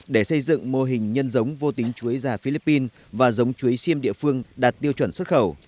để xây dựng mô hình nhân giống vô tính chuối già philippines và giống chuối xiêm địa phương đạt tiêu chuẩn xuất khẩu